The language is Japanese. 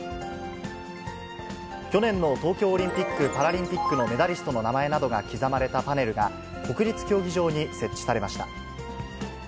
去年の東京オリンピック・パラリンピックのメダリストの名前などが刻まれたパネルが、国立競技場に設置されました。